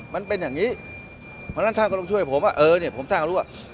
มันเป็นอย่างนี้เพราะฉะนั้นท่านก็ต้องช่วยผมว่าเออเนี่ยผมท่านก็รู้ว่า